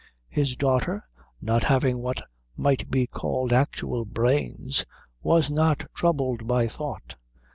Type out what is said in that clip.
His daughter, not having what might be called actual brains, was not troubled by thought.